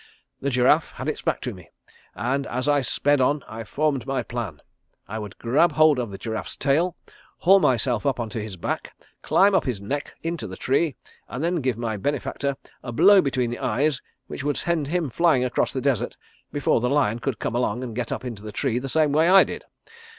The giraffe had its back to me, and as I sped on I formed my plan. I would grab hold of the giraffe's tail; haul myself up onto his back; climb up his neck into the tree, and then give my benefactor a blow between the eyes which would send him flying across the desert before the lion could come along and get up into the tree the same way I did.